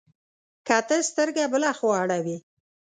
که ته سترګه بله خوا اړوې،